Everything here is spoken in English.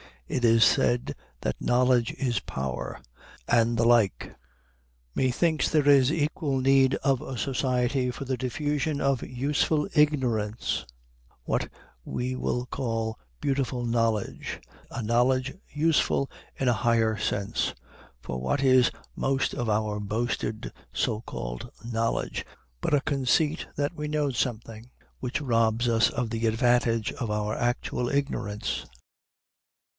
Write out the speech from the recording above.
It is said that knowledge is power; and the like. Methinks there is equal need of a Society for the Diffusion of Useful Ignorance, what we will call Beautiful Knowledge, a knowledge useful in a higher sense: for what is most of our boasted so called knowledge but a conceit that we know something, which robs us of the advantage of our actual ignorance?